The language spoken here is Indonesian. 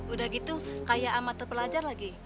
udah gitu kayak amat terpelajar lagi